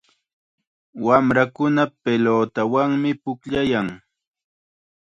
Wamrakuna pilutawanmi pukllayan.